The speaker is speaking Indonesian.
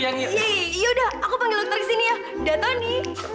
iya iya udah aku panggil dokter disini ya detoni